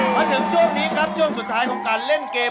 มาถึงช่วงนี้ครับช่วงสุดท้ายของการเล่นเกม